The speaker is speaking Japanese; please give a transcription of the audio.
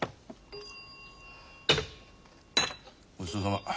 ごちそうさま。